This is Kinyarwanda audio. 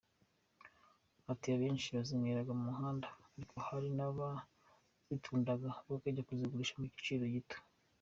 Ati “Abenshi bazinyweraga ku muhanda ariko hari n’abazitundaga bakajya kuzigurisha ku giciro gito.